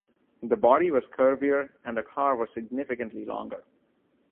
The body was curvier and the car was significantly longer.